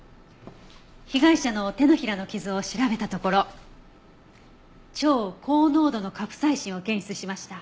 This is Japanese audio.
被害者の手のひらの傷を調べたところ超高濃度のカプサイシンを検出しました。